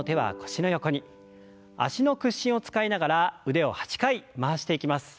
脚の屈伸を使いながら腕を８回回していきます。